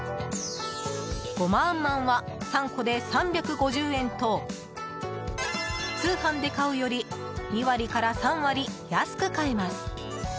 ゴマあんまんは３個で３５０円と通販で買うより２割から３割、安く買えます。